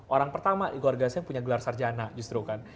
orang pertama keluarga saya punya gelar sarjana justru kan